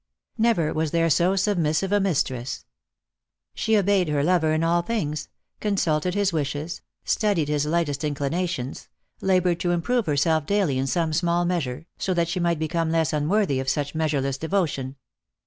Never was there so submissive a mistress. She obeyed her lover in all things, consulted his wishes, studied his lightest inclina tions, laboured to improve herself daily in some small measure, so that she might become less unworthy of such measureless devotion.